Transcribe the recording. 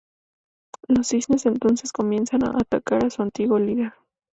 Los cisnes entonces comienzan a atacar a su antiguo líder.